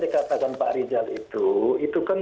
dikatakan pak rizal itu itu kan